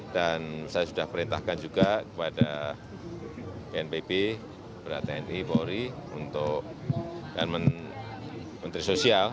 dan saya sudah perintahkan juga kepada bnpb berat tni polri dan menteri sosial